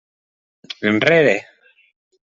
Enrere!